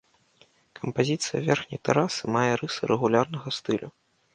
Кампазіцыя верхняй тэрасы мае рысы рэгулярнага стылю.